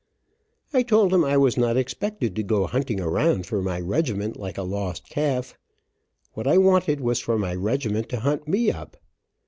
I told him I was not expected to go hunting around for my regiment, like a lost calf. What I wanted was for my regiment to hunt me up.